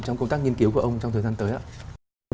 trong công tác nghiên cứu của ông trong thời gian tới ạ